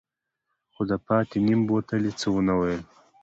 خو د پاتې نيم بوتل يې څه ونه ويل.